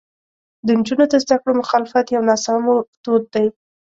د نجونو د زده کړو مخالفت یو ناسمو دود دی.